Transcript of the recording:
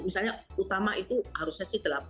misalnya utama itu harusnya sih